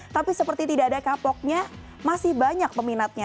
tapi seperti tidak ada kapoknya masih banyak peminatnya